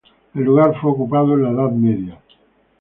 El lugar fue ocupado en la Edad Media.